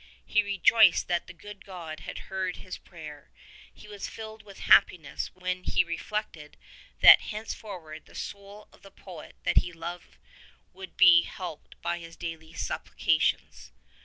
He rejoiced that the good God had heard his prayer : He was filled with happiness when he reflected that henceforward the soul of the poet that he loved would be helped by his daily supplications.